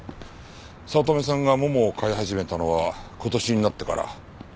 早乙女さんがももを飼い始めたのは今年になってから。